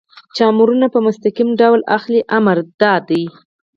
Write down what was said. چې امرونه په مستقیم ډول اخلئ، امر دا دی.